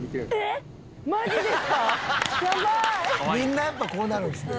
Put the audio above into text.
「みんなやっぱこうなるんですね」